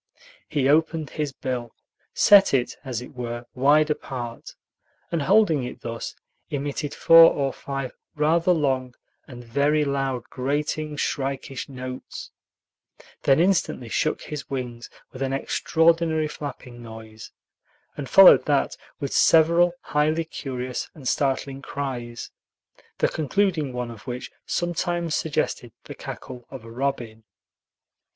He opened his bill, set it, as it were, wide apart, and holding it thus, emitted four or five rather long and very loud grating, shrikish notes; then instantly shook his wings with an extraordinary flapping noise, and followed that with several highly curious and startling cries, the concluding one of which sometimes suggested the cackle of a robin.